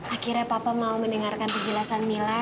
akhirnya papa mau mendengarkan penjelasan mila